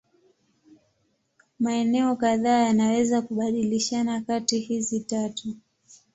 Maeneo kadhaa yanaweza kubadilishana kati hizi tatu.